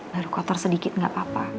baru kotor sedikit nggak apa apa